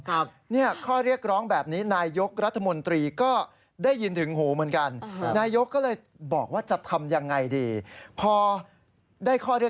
อันนี้ข้อเรียกร้องแบบนี้